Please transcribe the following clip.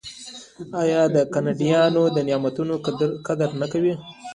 آیا کاناډایان د دې نعمتونو قدر نه کوي؟